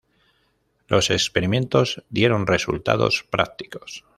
Los experimentos dieron resultados prácticos.